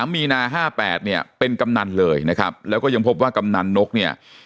มีนา๕๘เนี่ยเป็นกำนันเลยนะครับแล้วก็ยังพบว่ากำนันนกเนี่ย